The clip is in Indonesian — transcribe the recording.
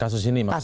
kasus ini maksudnya